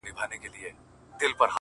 • تاریخ دي ماته افسانې ښکاري -